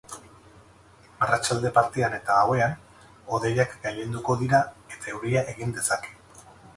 Arratsalde partean eta gauean hodeiak gailenduko dira eta euria egin dezake.